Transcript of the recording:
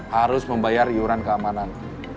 harus membayar iuran keamanan